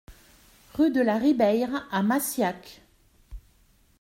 Rue de la Ribeyre à Massiac